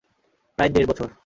প্রায় দেড় বছর।